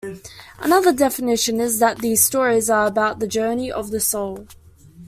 Another definition is that these stories are about the journey of the soul.